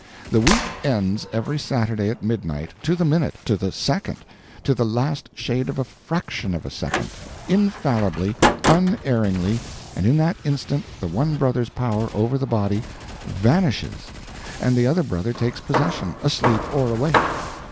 The week ends every Saturday at midnight to the minute, to the second, to the last shade of a fraction of a second, infallibly, unerringly, and in that instant the one brother's power over the body vanishes and the other brother takes possession, asleep or awake."